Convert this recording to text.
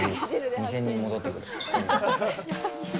２０００人戻ってくる。